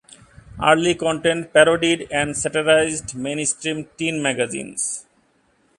Early content parodied and satirized mainstream teen magazines.